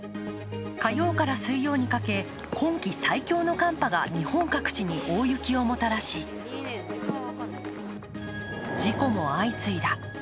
火曜から水曜にかけて今季最強の寒波が日本各地に大雪をもたらし事故も相次いだ。